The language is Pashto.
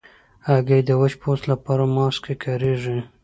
هګۍ د وچ پوست لپاره ماسک کې کارېږي.